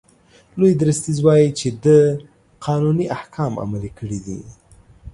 لوی درستیز وایي چې ده قانوني احکام عملي کړي دي.